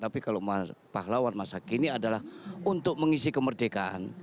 tapi kalau pahlawan masa kini adalah untuk mengisi kemerdekaan